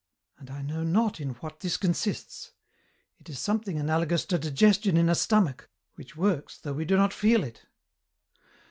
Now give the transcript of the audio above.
And I know not in what this consists ; it is something analogous to digestion in a stomach, which works though we do not feel it.